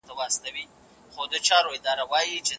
خير کثير چيرته پټ دی؟